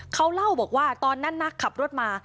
เขาเล่าบอกว่าตอนนั้นนักขับรถมา